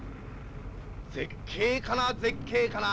絶景かな絶景かな。